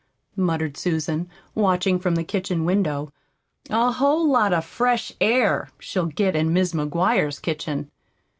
muttered Susan, watching from the kitchen window. "A whole lot of fresh air she'll get in Mis' McGuire's kitchen!"